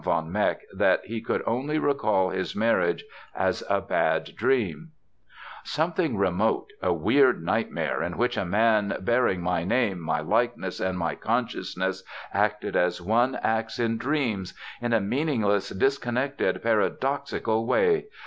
von Meck that he could only recall his marriage as a bad dream: "Something remote, a weird nightmare in which a man bearing my name, my likeness, and my consciousness acted as one acts in dreams: in a meaningless, disconnected, paradoxical way.